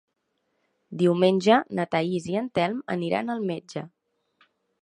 Diumenge na Thaís i en Telm aniran al metge.